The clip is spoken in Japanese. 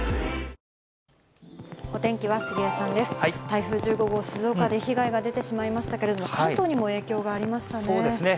台風１５号、静岡で被害が出てしまいましたけれども、関東にも影そうですね。